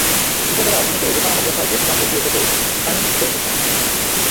কৃষকেরা অনেকে রোপা আমন রক্ষায় সেচপাম্প বসিয়ে খেতে পানি সেচ দিচ্ছেন।